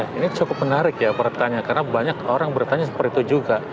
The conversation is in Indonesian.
ini cukup menarik ya pertanyaan karena banyak orang bertanya seperti itu juga